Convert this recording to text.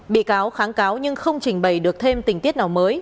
bị cáo kháng cáo nhưng không trình bày được thêm tình tiết nào mới